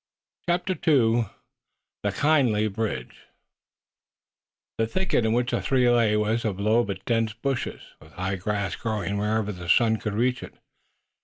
CHAPTER II THE KINDLY BRIDGE The thicket in which the three lay was of low but dense bushes, with high grass growing wherever the sun could reach it.